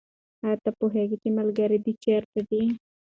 آیا ته پوهېږې چې ملګري دې چېرته دي؟